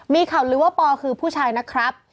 มีข่าวลือว่าปอคือผู้ชายนะครับ